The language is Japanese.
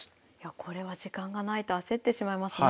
これは時間がないと焦ってしまいますね。